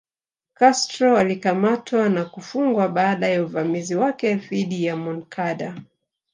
Castro alikamatwa na kufungwa baada ya uvamizi wake dhidi ya Moncada